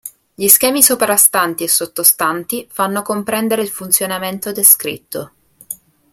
Gli schemi soprastanti e sottostanti fanno comprendere il funzionamento descritto.